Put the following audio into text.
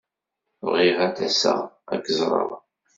Bɣiɣ ad d-aseɣ ad k-ẓreɣ.